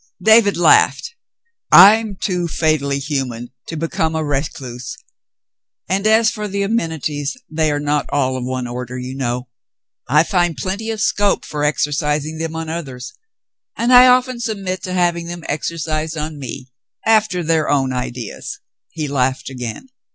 '* David laughed. "I'm too fatally human to become a recluse, and as for the amenities, they are not all of one order, you know. I find plenty of scope for exercising them on others, and I often submit to having them exer cised on me, — after their own ideas." He laughed again.